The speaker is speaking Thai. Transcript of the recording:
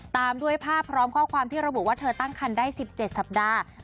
ตามด้วยภาพพร้อมข้อความที่ระบุว่าเธอตั้งคันได้๑๗สัปดาห์